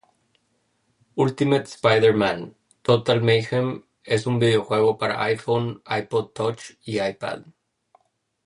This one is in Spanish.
Ultimate Spider-Man: Total Mayhem es un videojuego para iPhone, iPod Touch y iPad.